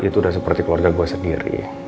itu udah seperti keluarga gue sendiri